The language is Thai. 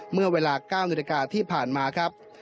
เมื่อเวลา๙นาฬิกาที่ผ่านมาครับ